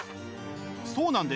そうなんです。